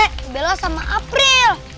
nek bela sama april